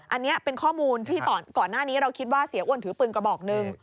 อันนี้เป็นข้อมูลที่ก่อนหน้านี้เราคิดว่าเสียอ้วนถือปืนกระบอกหนึ่ง